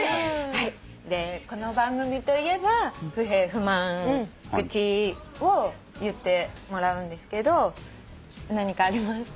この番組といえば不平不満愚痴を言ってもらうんですけど何かありますか？